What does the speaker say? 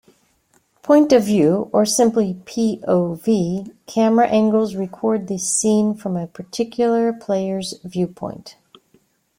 Point-of-view, or simply p.o.v., camera angles record the scene from a particular player's viewpoint.